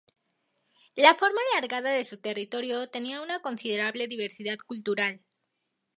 La forma alargada de su territorio tenía una considerable diversidad cultural.